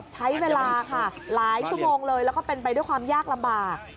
ใช้เวลาค่ะหลายชั่วโมงเลยแล้วก็เป็นไปด้วยความยากลำบาก